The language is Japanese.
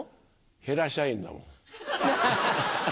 ヘラ社員だもん。